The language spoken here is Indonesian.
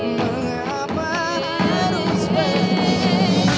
mengapa harus berdua